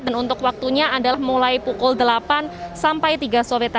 dan untuk waktunya adalah mulai pukul delapan sampai tiga sore